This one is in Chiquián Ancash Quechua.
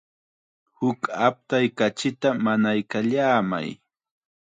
Huk aptay kachita mañaykallamay.